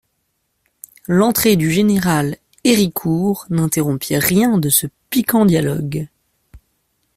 L'entrée du général Héricourt n'interrompit rien de ce piquant dialogue.